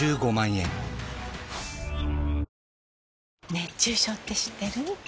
熱中症って知ってる？